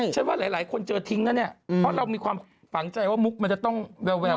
ใช่ฉันว่าหลายหลายคนเจอทิ้งแล้วเนี้ยอืมเพราะเรามีความฝังใจว่ามุกมันจะต้องแววแวว